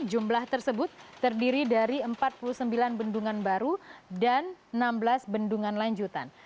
jumlah tersebut terdiri dari empat puluh sembilan bendungan baru dan enam belas bendungan lanjutan